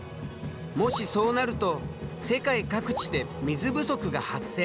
もしそうなると世界各地で水不足が発生！